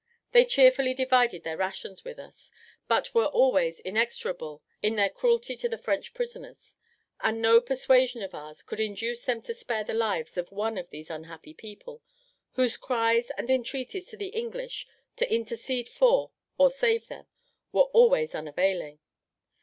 They cheerfully divided their rations with us, but were always inexorable in their cruelty to the French prisoners; and no persuasion of ours could induce them to spare the lives of one of these unhappy people, whose cries and entreaties to the English to intercede for, or save them, were always unavailing.